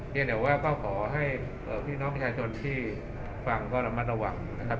ยังแต่ว่าก็ขอให้พี่น้องประชาชนที่ฟังก็ระมัดระวังนะครับ